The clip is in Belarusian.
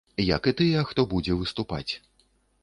Як і тыя, хто будзе выступаць.